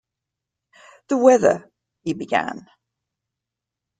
"The weather —" he began.